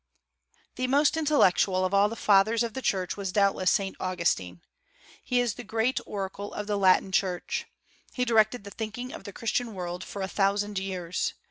The most intellectual of all the Fathers of the Church was doubtless Saint Augustine. He is the great oracle of the Latin Church. He directed the thinking of the Christian world for a thousand years.